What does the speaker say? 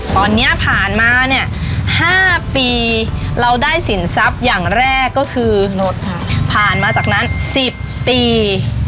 ตอนนี้ผ่านมาเนี่ย๕ปีเราได้สินทรัพย์อย่างแรกก็คือรถค่ะผ่านมาจากนั้น๑๐ปี